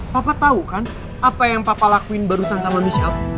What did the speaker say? papa tahu kan apa yang papa lakuin barusan sama nusial